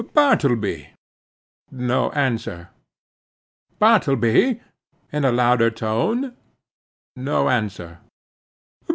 "Bartleby!" No answer. "Bartleby," in a louder tone. No answer.